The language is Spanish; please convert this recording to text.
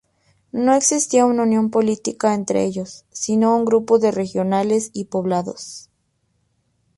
No existía una unión política entre ellos, sino grupos de regionales y poblados.